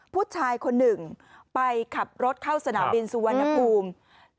ผู้ชายคนหนึ่งไปขับรถเข้าสนามบินสุวรรณภูมิ